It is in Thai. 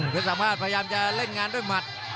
สามารถพยายามจะเล่นงานด้วยหมัด